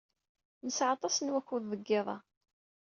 Nesɛa aṭas n wakud deg yiḍ-a.